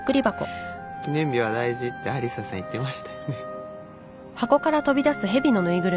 記念日は大事ってアリサさん言ってましたよね？